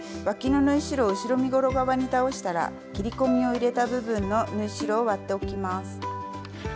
わきの縫い代を後ろ身ごろ側に倒したら切り込みを入れた部分の縫い代を割っておきます。